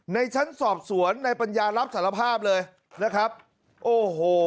ในชั้นสอบสวนในปัญญารับสารภาพเลยนะครับโอ้โห